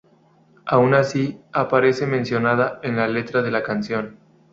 Aun así, aparece mencionado en la letra de la canción.